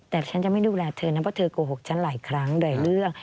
แต่ฉันจะไม่ดูแลเธอนะเพราะเธอโกหกฉันหลายครั้งหลายเรื่อง